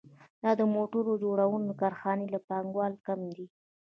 دا د موټر جوړونې د کارخانې له پانګوال کم دی